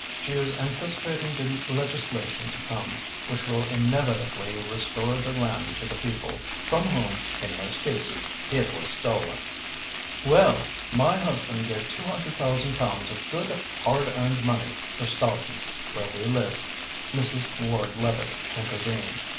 She is anticipating the legislation to come, which will inevitably restore the land to the people, from whom, in most cases, it was stolen." "Well, my husband gave two hundred thousand pounds of good, hard earned money for Stoughton, where we live," Mrs. Ward Levitte intervened.